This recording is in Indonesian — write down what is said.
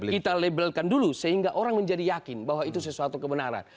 kita labelkan dulu sehingga orang menjadi yakin bahwa itu sesuatu kebenaran